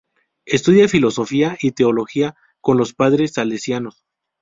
Estudia filosofía y teología con los padres salesianos.